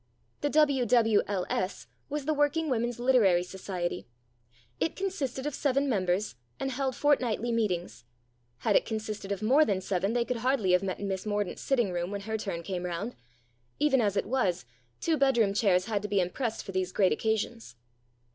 The W.W.L.S. was the Working Women's Literary Society. It consisted of seven members, and held fortnightly meetings. Had it consisted of more than seven they could hardly have met in Miss Mordaunt's sitting room when her turn came round ; even as it was, two bedroom chairs had to be impressed for these great occasions.